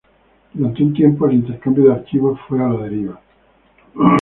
Durante un tiempo, el intercambio de archivos fue a la deriva.